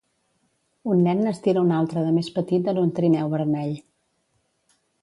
Un nen n'estira un altre de més petit en un trineu vermell.